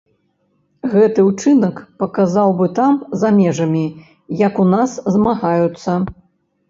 Гэты ўчынак паказаў бы там, за межамі, як у нас змагаюцца.